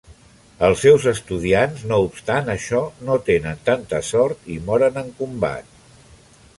Els seus estudiants, no obstant això, no tenen tanta sort i moren en combat.